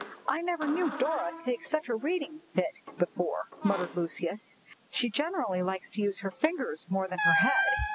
"I never knew Dora take such a reading fit before," muttered Lucius; "she generally likes to use her fingers more than her head."